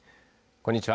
こんにちは。